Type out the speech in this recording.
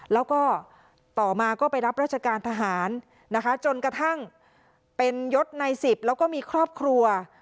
แล้วก็ต่อมาก็ไปรับราชการทหารนะคะจนกระทั่งเป็นยศใน๑๐แล้วก็มีครอบครัว